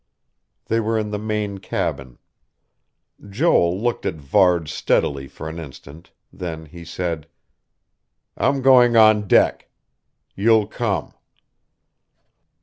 They were in the main cabin. Joel looked at Varde steadily for an instant; then he said: "I'm going on deck. You'll come...."